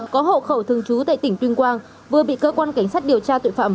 có hộ khẩu thường trú tại tỉnh tuyên quang vừa bị cơ quan cảnh sát điều tra tội phạm